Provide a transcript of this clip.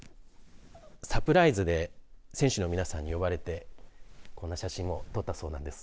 サプライズで選手の皆さんに呼ばれてこの写真を撮ったそうなんです。